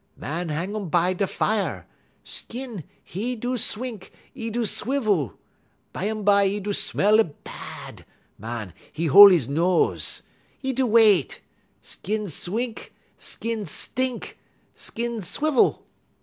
"Man hang um by da' fier. Skin, 'e do swink, i' do swivel. Bumbye 'e do smell a bahd; man, 'e hol' 'e nose. 'E do wait. Skin swink, skin stink, skin swivel.